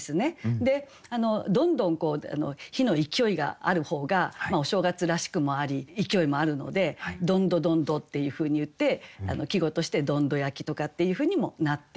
でどんどん火の勢いがある方がお正月らしくもあり勢いもあるので「どんどどんど」っていうふうに言って季語として「どんど焼」とかっていうふうにもなっています。